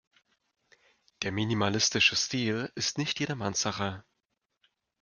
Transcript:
Der minimalistische Stil ist nicht jedermanns Sache.